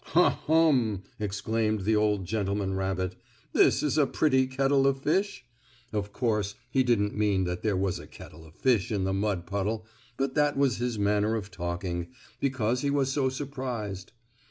"Ha, hum!" exclaimed the old gentleman rabbit, "this is a pretty kettle of fish!" Of course, he didn't mean that there was a kettle of fish in the mud puddle, but that was his manner of talking, because he was so surprised.